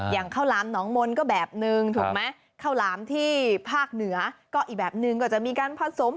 อย่างข้าวหลามหนองมนต์ก็แบบนึงถูกไหมข้าวหลามที่ภาคเหนือก็อีกแบบนึงก็จะมีการผสม